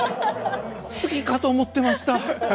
月かと思ってました。